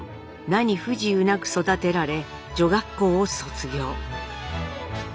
何不自由なく育てられ女学校を卒業。